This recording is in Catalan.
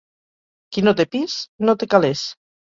Qui no té pis, no té calers.